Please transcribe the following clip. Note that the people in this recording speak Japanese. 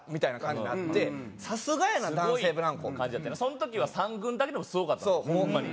その時は３軍だけでもすごかったんですホンマに。